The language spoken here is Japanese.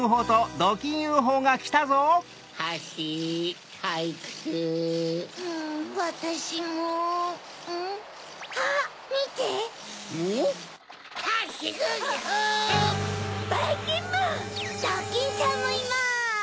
ドキンちゃんもいます。